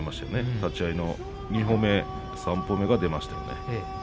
立ち合いの２歩目、３歩目が出ましたね。